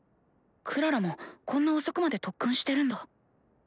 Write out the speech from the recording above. クララもこんな遅くまで特訓してるんだ。